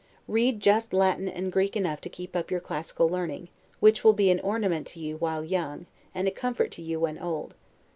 Read just Latin and Greek enough to keep up your classical learning, which will be an ornament to you while young, and a comfort to you when old.